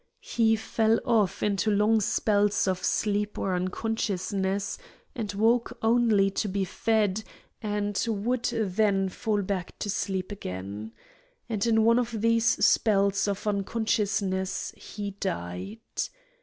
He fell off into long spells of sleep or unconsciousness, and woke only to be fed, and would then fall back to sleep again. And in one of these spells of unconsciousness he died.